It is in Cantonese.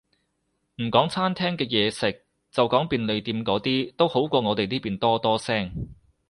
唔講餐廳嘅嘢食，就講便利店嗰啲，都好過我哋呢邊多多聲